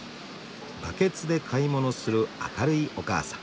バケツで買い物する明るいおかあさん